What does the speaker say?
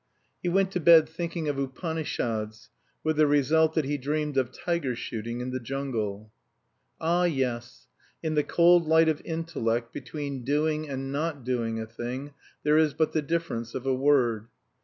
He went to bed thinking of Upanishads, with the result that he dreamed of tiger shooting in the jungle. Ah, yes, in the cold light of intellect, between doing and not doing a thing there is but the difference of a word.